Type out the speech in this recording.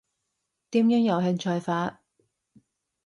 點樣有興趣法？